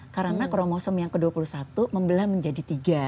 empat puluh tujuh karena kromosom yang ke dua puluh satu membelam menjadi tiga